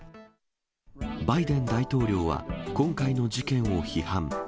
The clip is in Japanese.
バイデン大統領は今回の事件を批判。